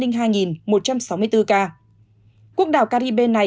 quốc đảo caribe này